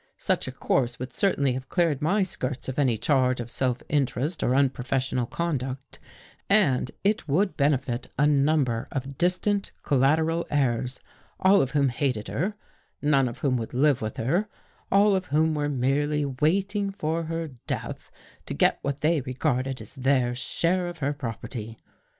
Such a course would cer tainly have cleared my skirts of any charge of self interest or unprofessional conduct and it would ben efit a number of distant collateral heirs, all of whom hated her, none of whom would live with her, all of whom werev merely waiting for her death, to get what they regarded as their share of her property.